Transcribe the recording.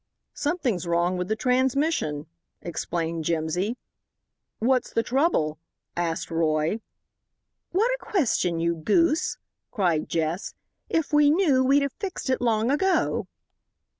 "Something's wrong with the transmission," explained Jimsy. "What's the trouble?" asked Roy. "What a question, you goose?" cried Jess; "if we knew we'd have fixed it long ago."